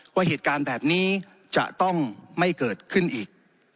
ว่าเหตุการณ์แบบนี้จะต้องไม่เกิดขึ้นอีก